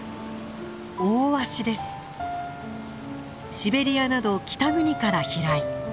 シベリアなど北国から飛来。